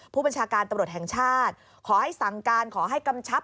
ผู้บัญชาการตำรวจแห่งชาติขอให้สั่งการขอให้กำชับ